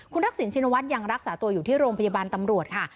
ทักษิณชินวัฒน์ยังรักษาตัวอยู่ที่โรงพยาบาลตำรวจค่ะ